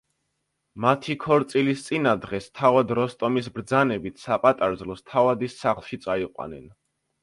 მათი ქორწილის წინა დღეს, თავად როსტომის ბრძანებით, საპატარძლოს თავადის სახლში წაიყვანენ.